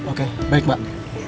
oke baik mak